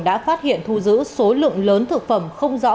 đã phát hiện thu giữ số lượng lớn thực phẩm không rõ